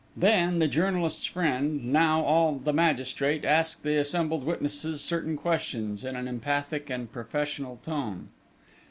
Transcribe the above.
Then, the journalist's friend, now all the magistrate, asked the assembled witnesses certain questions, in an emphatic and professional tone.